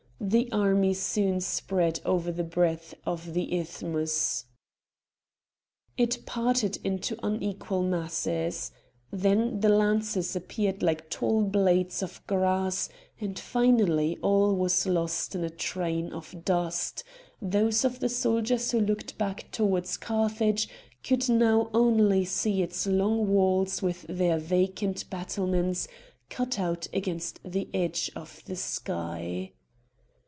The army soon spread over the breadth of the isthmus. It parted into unequal masses. Then the lances appeared like tall blades of grass, and finally all was lost in a train of dust; those of the soldiers who looked back towards Carthage could now only see its long walls with their vacant battlements cut out against the edge of the sky.